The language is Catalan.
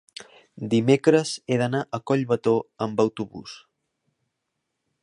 dimecres he d'anar a Collbató amb autobús.